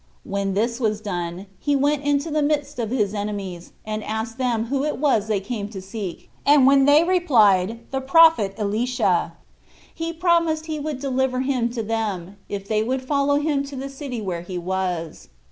When this was done, he went into the midst of his enemies, and asked them who it was that they came to seek; and when they replied, "The prophet Elisha," he promised he would deliver him to them, if they would follow him to the city where he was.